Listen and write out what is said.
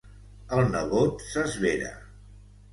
El nebot s'esvera.